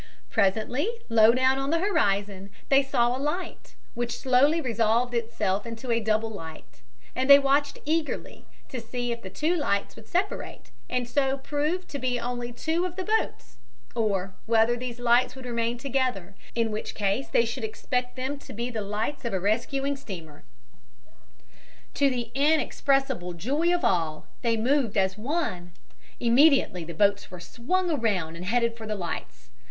Presently low down on the horizon they saw a light which slowly resolved itself into a double light, and they watched eagerly to see if the two lights would separate and so prove to be only two of the boats, or whether these lights would remain together, in which case they should expect them to be the lights of a rescuing steamer. To the inexpressible joy of all, they moved as one! Immediately the boats were swung around and headed for the lights.